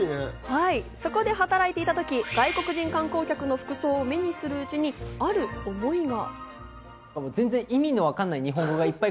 そこで働いていた時、外国人観光客の服装を目にするうちにある思いが。